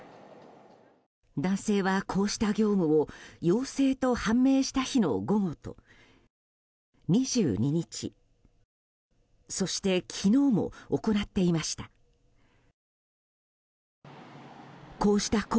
男性は、こうした業務を陽性と判明した日の午後と２２日、そして昨日も行っていました。